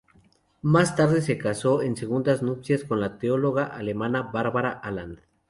Más tarde se casó en segundas nupcias con la teóloga alemana Barbara Aland.